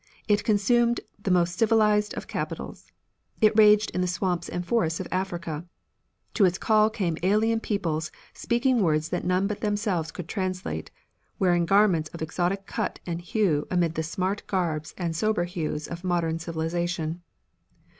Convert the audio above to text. It consumed the most civilized of capitals. It raged in the swamps and forests of Africa. To its call came alien peoples speaking words that none but themselves could translate, wearing garments of exotic cut and hue amid the smart garbs and sober hues of modern civilization.